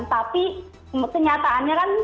tapi kenyataannya kan